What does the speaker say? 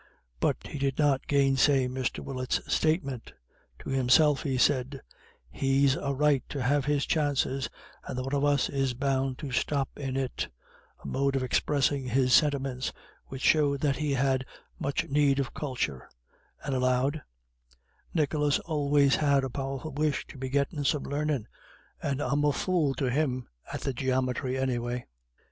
But he did not gainsay Mr. Willett's statement. To himself he said, "He's a right to have his chances; and the one of us is bound to stop in it" a mode of expressing his sentiments which showed that he had much need of culture; and aloud: "Nicholas always had a powerful wish to be gettin' some larnin'; and I'm a fool to him at the geomethry anyway."